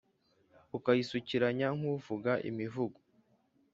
ukayisukiranya nk’uvuga imivugo